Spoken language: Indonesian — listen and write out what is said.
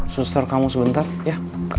sister kamu sebentar ya